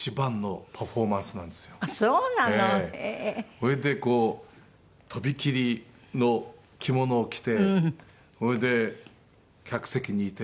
それでとびきりの着物を着てそれで客席にいて。